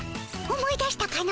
思い出したかの？